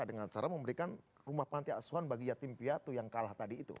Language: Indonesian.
dengan cara memberikan rumah panti asuhan bagi yatim piatu yang kalah tadi itu